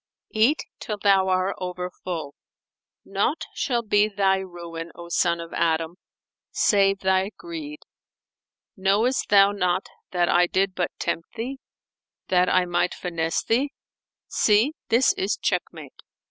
[FN#451] Eat till thou are over full; naught shall be thy ruin, O son of Adam, save thy greed. Knowest thou not that I did but tempt thee, that I might finesse thee? See: this is check mate!"